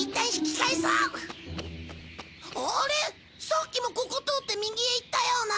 さっきもここを通って右へ行ったような。